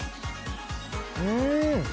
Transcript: うん！